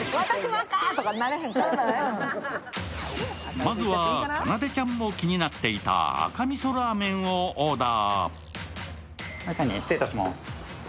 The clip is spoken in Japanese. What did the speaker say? まずはかなでちゃんも気になっていた赤味噌ラーメンをオーダー。